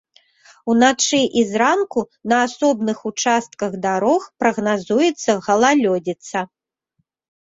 Уначы і зранку на асобных участках дарог прагназуецца галалёдзіца.